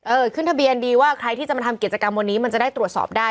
ขึ้นทะเบียนดีว่าใครที่จะมาทำกิจกรรมวันนี้มันจะได้ตรวจสอบได้